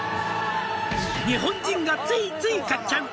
「日本人がついつい買っちゃう」